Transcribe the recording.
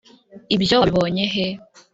[ibyo wabibonye he?